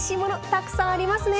たくさんありますね。